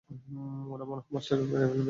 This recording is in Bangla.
ওরা মনে হয় মাস্টারকে মেরে ফেলবে।